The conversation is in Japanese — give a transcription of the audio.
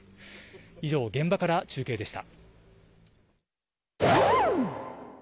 以上、現場から中継でした。